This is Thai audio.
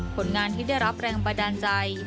ผลงานที่ได้รับแรงบันดาลใจ